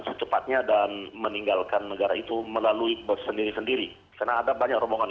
secepatnya dan meninggalkan negara itu melalui bersendiri sendiri karena ada banyak rombongan